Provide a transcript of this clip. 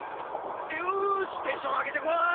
よしテンション上げてこ！